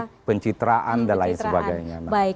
kemudian pencitraan dan lain sebagainya